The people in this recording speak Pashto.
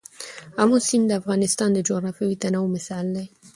آمو سیند د افغانستان د جغرافیوي تنوع مثال دی.